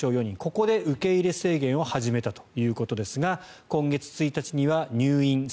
ここで受け入れ制限を始めたということですが今月１日には入院、